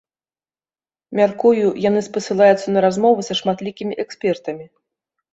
Мяркую, яны спасылаюцца на размовы са шматлікімі экспертамі.